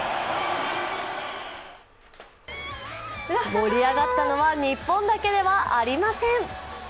盛り上がったのは日本だけではありません。